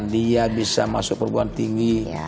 dia bisa masuk perguruan tinggi